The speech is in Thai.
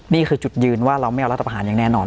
นี่คือจุดยืนว่าเราไม่เอารัฐประหารอย่างแน่นอน